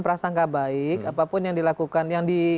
perasaan tidak baik apapun yang dilakukan